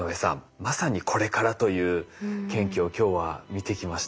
まさにこれからという研究を今日は見てきました。